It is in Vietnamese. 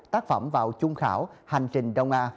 tác phẩm vào chung khảo hành trình đông a